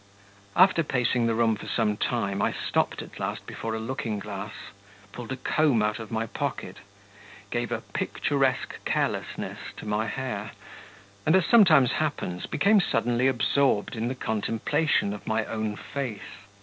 After pacing the room for some time, I stopped at last before a looking glass, pulled a comb out of my pocket, gave a picturesque carelessness to my hair, and, as sometimes happens, became suddenly absorbed in the contemplation of my own face.